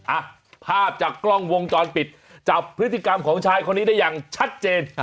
อ่ะภาพจากกล้องวงจรปิดจับพฤติกรรมของชายคนนี้ได้อย่างชัดเจน